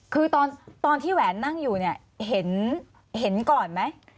คือตอนที่แหวนนั่งอยู่เนี่ยเห็นก่อนไหม